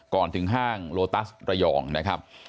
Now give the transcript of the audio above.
ก่อนถึงห้างโลตัสระยองนะครับ